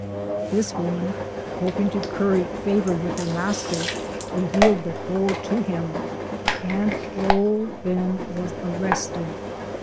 This woman, hoping to curry favor with her master, revealed the whole to him, and " Old Ben " was arrested.